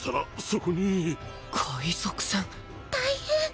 大変！